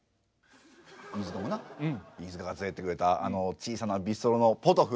飯塚もな飯塚が連れてってくれたあの小さなビストロのポトフ